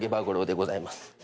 五郎でございます。